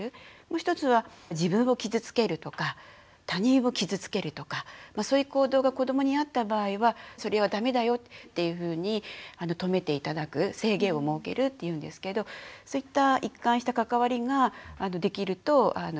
もう一つは自分を傷つけるとか他人を傷つけるとかそういう行動が子どもにあった場合はそれは駄目だよっていうふうに止めて頂く制限を設けるっていうんですけどそういった一貫した関わりができるといいというふうに言われています。